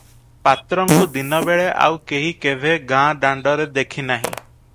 ପାତ୍ରଙ୍କୁ ଦିନବେଳେ ଆଉ କେହି କେଭେ ଗାଁ ଦାଣ୍ଡରେ ଦେଖିନାହିଁ ।